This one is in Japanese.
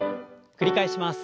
繰り返します。